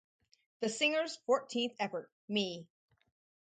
The singer's fourteenth effort, Me.